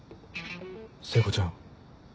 聖子ちゃん。